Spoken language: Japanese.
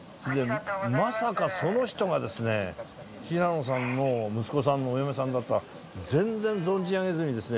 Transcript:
まさかその人がですね平野さんの息子さんのお嫁さんだとは全然存じ上げずにですね